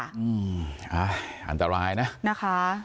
อันตรายนะนะคะ